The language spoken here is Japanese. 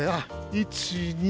１、２。